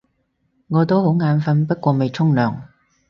我都好眼瞓，不過未沖涼